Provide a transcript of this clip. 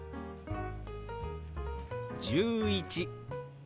「１１」。